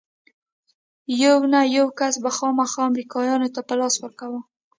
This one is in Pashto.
يو نه يو کس به يې خامخا امريکايانو ته په لاس ورکاوه.